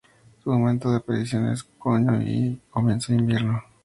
Su momento de aparición es en otoño y comienzo del invierno.